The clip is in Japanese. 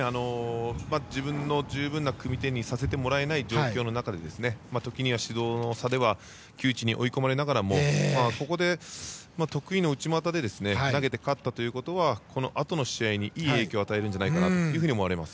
自分の十分な組み手にさせてもらえない状況の中でときには指導の差で窮地に追い込まれながらもここで得意の内股で投げて勝ったということはこのあとの試合にいい影響を与えると思われます。